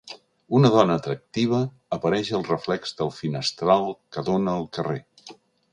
Una dona atractiva apareix al reflex del finestral que dona al carrer.